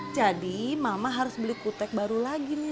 jadi mama harus beli kutek baru lagi nih